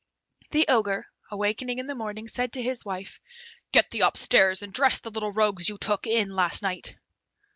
The Ogre, awaking in the morning, said to his wife, "Get thee up stairs and dress the little rogues you took in last night."